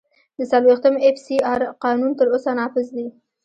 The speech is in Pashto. د څلوېښتم اېف سي آر قانون تر اوسه نافذ دی.